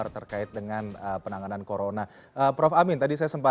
tetap bersama kami